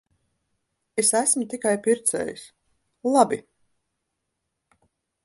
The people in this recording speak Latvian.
Es esmu tikai pircējs. Labi.